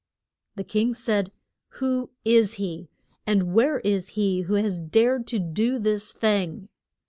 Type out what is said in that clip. The king said, Who is he, and where is he who has dared to do this thing?